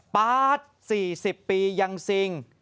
ป๊า๊ดสี่สิบปียังสิ่ง